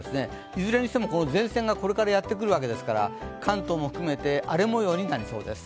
いずれにしても、前線がこれからやってくるわけですから、関東も含めて荒れ模様になりそうです。